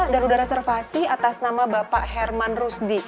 udah reservasi atas nama bapak herman rusdi